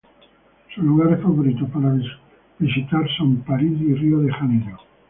Sus lugares favoritos para visitar son París y Río de Janeiro.